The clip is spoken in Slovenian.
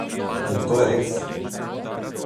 In to je res.